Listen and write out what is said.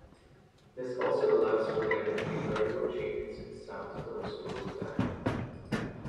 This also allows for dynamic and gradual changes in sound tones over time.